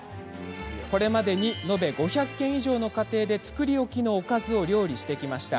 これまでに延べ５００軒以上の家庭で作り置きのおかずを料理してきました。